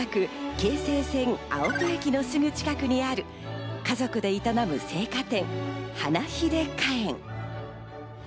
京成線・青砥駅のすぐ近くにある家族で営む生花店、ハナヒデ花園。